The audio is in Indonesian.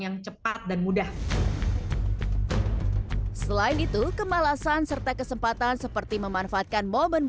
yang cepat dan mudah selain itu kemalasan serta kesempatan seperti memanfaatkan momen